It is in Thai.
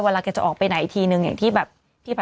เวลาแกจะออกไปไหนทีนึงอย่างที่แบบ